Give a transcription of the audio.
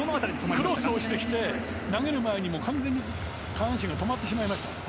クロスをしてきて、投げる前に完全に下半身が止まってしまいました。